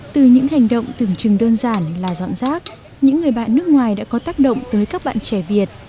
từ những hành động tưởng chừng đơn giản là dọn rác những người bạn nước ngoài đã có tác động tới các bạn trẻ việt